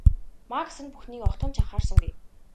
Макс энэ бүхнийг огтхон ч анхаарсангүй.